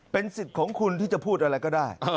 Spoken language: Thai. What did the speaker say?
เป็นสิทธิ์ของคุณที่จะพูดอะไรก็ได้